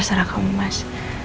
terserah kamu mas